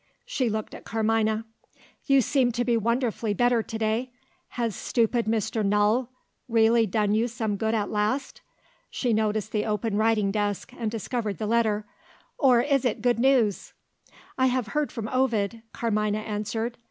She looked at Carmina. "You seem to be wonderfully better to day. Has stupid Mr. Null really done you some good at last?" She noticed the open writing desk, and discovered the letter. "Or is it good news?" "I have heard from Ovid," Carmina answered.